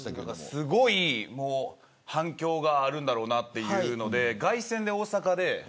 すごい反響があるだろうというので凱旋で大阪で。